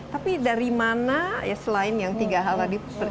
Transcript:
tapi dari mana ya selain yang tiga hal tadi